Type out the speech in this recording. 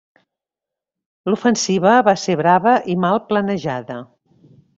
L'ofensiva va ser brava i mal planejada.